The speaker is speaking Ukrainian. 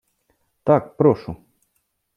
Так, прошу.